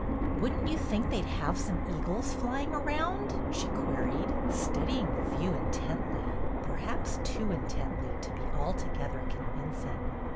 "Wouldn't you think they'd have some eagles flying around?" she queried, studying the view intently, perhaps too intently to be altogether convincing.